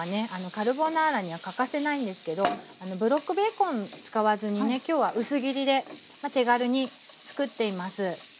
カルボナーラには欠かせないんですけどブロックベーコン使わずに今日は薄切りで手軽に作っています。